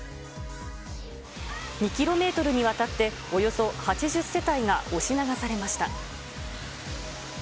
２キロメートルにわたって、およそ８０世帯が押し流されました。